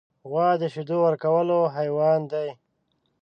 غوا د شیدو ورکولو حیوان دی.